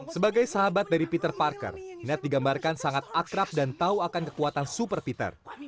sebagai sahabat dari peter parker net digambarkan sangat akrab dan tahu akan kekuatan super peter